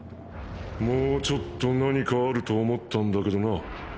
もうちょっと何かあると思ったんだけどな。